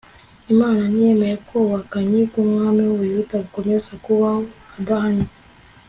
imana ntiyemeye ko ubuhakanyi bw'umwami w'ubuyuda bukomeza kubaho adahannwe